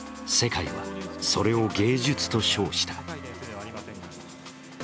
世界はそれを芸術と称した。